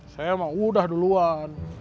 saya mah udah duluan